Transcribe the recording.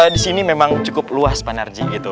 di sini memang cukup luas pak narji gitu